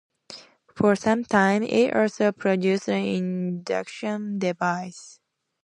For some time, it also produced induction devices.